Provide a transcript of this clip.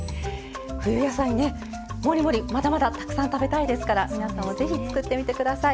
冬野菜ねもりもりまだまだたくさん食べたいですから皆さんもぜひ作ってみて下さい。